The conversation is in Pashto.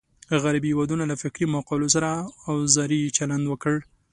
غربي هېوادونو له فکري مقولو سره اوزاري چلند وکړ.